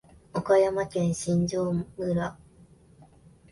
岡山県新庄村